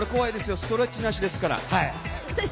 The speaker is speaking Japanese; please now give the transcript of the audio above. ストレッチなしですから。